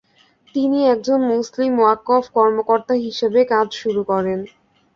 তিনি একজন মুসলিম ওয়াকফ কর্মকর্তা হিসেবে কাজ শুরু করেন।